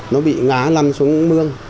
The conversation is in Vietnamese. nó bị ngá lăn xuống mương